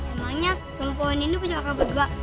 emangnya rumah pohon ini punya kakak berdua